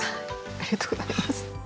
ありがとうございます。